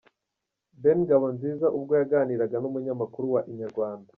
Ben Ngabonziza ubwo yaganiraga n’umunyamakuru wa Inyarwanda.